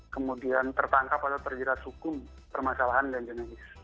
kemudian tertangkap atau terjerat hukum permasalahan dan jenis